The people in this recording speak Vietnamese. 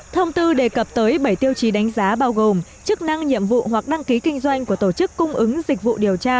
thông tư đề cập tới bảy tiêu chí đánh giá bao gồm chức năng nhiệm vụ hoặc đăng ký kinh doanh của tổ chức cung ứng dịch vụ điều tra